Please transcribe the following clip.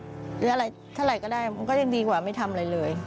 หรืออะไรเท่าไหร่ก็ได้มันก็ยังดีกว่าไม่ทำอะไรเลย